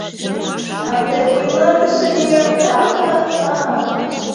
А тый вуйлатыше лият, ха-ха-ха!